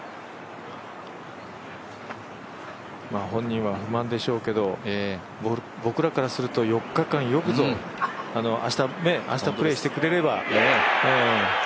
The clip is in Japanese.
本人は不満でしょうけど僕らからすると４日間、よくぞ明日、プレーしてくれれば。